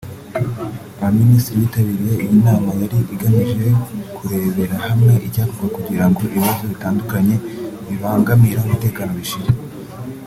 Abaminisitiri bitabiriye iyi nama yari igamije kurebera hamwe icyakorwa kugira ngo ibibazo bitandukanye bibangamira umutekano bishire